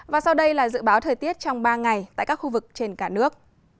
và sau đây là dự báo thời tiết trong ba ngày tại các khu vực trên cả nước